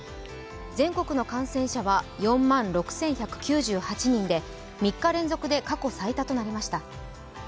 全国の感染者は４万６１９８人で３日連続で過去最多となりました。